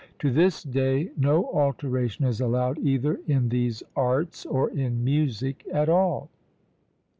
To this day, no alteration is allowed either in these arts, or in music at all.